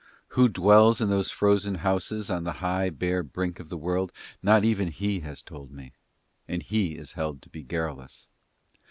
Who dwells in those frozen houses on the high bare brink of the world not even he has told me, and he is held to be garrulous.